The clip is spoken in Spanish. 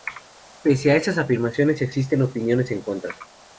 Pese a estas afirmaciones existen opiniones en contra.